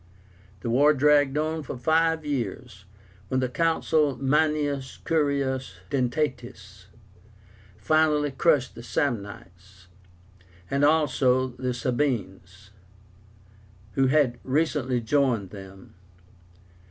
The war dragged on for five years, when the Consul MANIUS CURIUS DENTÁTUS finally crushed the Samnites, and also the SABINES, who had recently joined them.